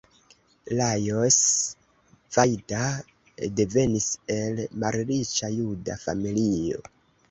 Lajos Vajda devenis el malriĉa juda familio.